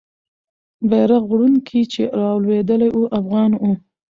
بیرغ وړونکی چې رالوېدلی وو، افغان وو.